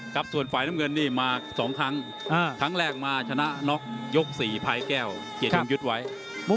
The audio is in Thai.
ครับส่วนฝ่ายทำเงินดีมาสองครั้งะทั้งแรกมาชนะนอกยก๔พายแก้วเฮียวช่างยุทธวรรม